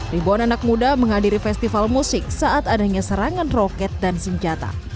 ribuan anak muda menghadiri festival musik saat adanya serangan roket dan senjata